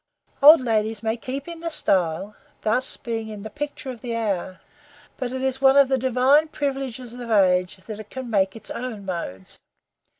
Old ladies may keep in the style, thus being in the picture of the hour; but it is one of the divine privileges of age that it can make its own modes.